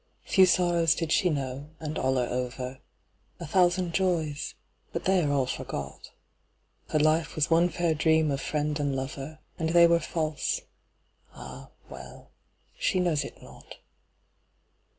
Few sorrows did she know—and all are over;A thousand joys—but they are all forgot; Her life was one fair dream of friend and lover, And were they false—ah, well, she knows it not.